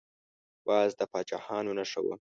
باز د پاچاهانو نښه وه